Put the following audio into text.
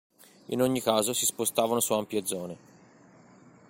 In ogni caso, si spostavano su ampie zone.